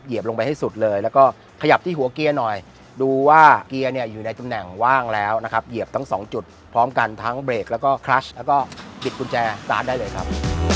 ลงไปให้สุดเลยแล้วก็ขยับที่หัวเกียร์หน่อยดูว่าเกียร์เนี่ยอยู่ในตำแหน่งว่างแล้วนะครับเหยียบทั้งสองจุดพร้อมกันทั้งเบรกแล้วก็คลัชแล้วก็บิดกุญแจสตาร์ทได้เลยครับ